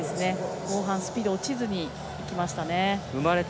後半、スピード落ちずにいきました。